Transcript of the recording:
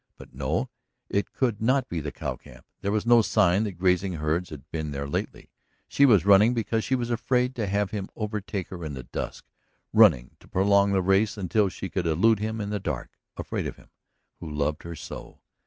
But, no; it could not be the cow camp. There was no sign that grazing herds had been there lately. She was running because she was afraid to have him overtake her in the dusk, running to prolong the race until she could elude him in the dark, afraid of him, who loved her so!